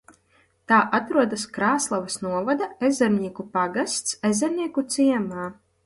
Tā atrodas Krāslavas novada Ezernieku pagasts Ezernieku ciemā.